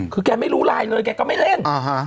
คือแกไม่รู้ไลน์เลยแกก็ไม่เล่น